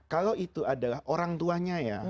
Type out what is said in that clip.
kalau itu adalah orang tuanya ya